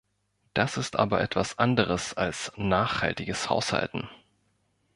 Das ist aber etwas anderes als nachhaltiges Haushalten!